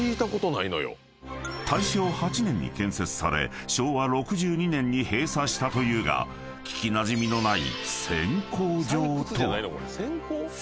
［大正８年に建設され昭和６２年に閉鎖したというが聞きなじみのない］